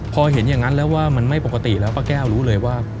พอเห็นอย่างนั้นแล้วว่ามันไม่ปกติแล้วป้าแก้วรู้เลยว่า